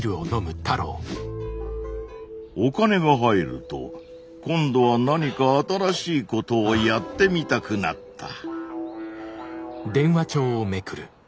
お金が入ると今度は何か新しいことをやってみたくなった。